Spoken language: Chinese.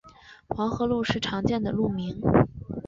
黄河路是常见的路名。